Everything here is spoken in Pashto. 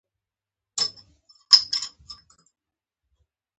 ده تاکید کاوه که مجلس له سوره وویستل شي.